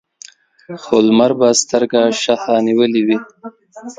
خو لمر به سترګه شخه نیولې وي.